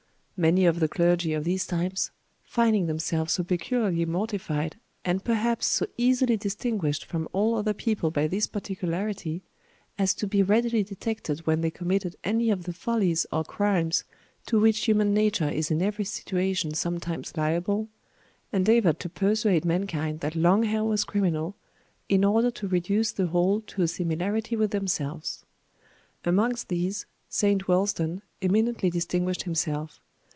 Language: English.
Many of the clergy of these times, finding themselves so peculiarly mortified, and perhaps so easily distinguished from all other people by this particularity, as to be readily detected when they committed any of the follies or crimes to which human nature is in every situation sometimes liable, endeavored to persuade mankind that long hair was criminal, in order to reduce the whole to a similarity with themselves. Amongst these, St. Wulstan eminently distinguished himself.